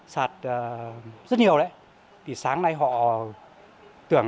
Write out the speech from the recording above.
sạt rất nhiều đấy thì sáng nay họ tưởng là họ dừng nhưng mà sáng nay họ thấy vẫn vào thi công